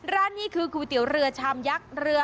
ร้านนี้คือก๋วยเตี๋ยวเรือชามยักษ์เรือ